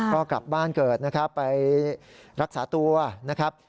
ก็กลับบ้านเกิดนะครับไปรักษาตัวนะครับ